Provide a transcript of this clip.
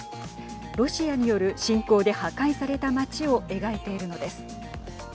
ロシアによる侵攻で破壊された町を描いているのです。